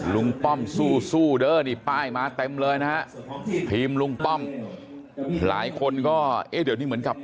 ป้อมสู้เด้อนี่ป้ายมาเต็มเลยนะฮะทีมลุงป้อมหลายคนก็เอ๊ะเดี๋ยวนี้เหมือนกับ